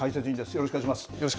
よろしくお願いします。